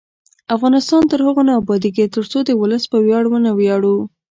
افغانستان تر هغو نه ابادیږي، ترڅو د ولس په ویاړ ونه ویاړو.